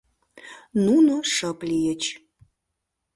Нуно шып лийыч.